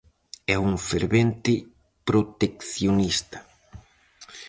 É un fervente proteccionista.